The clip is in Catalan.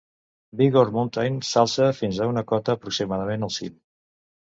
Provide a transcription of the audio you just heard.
Bighorn Mountain s'alça fins a una cota aproximadament al cim.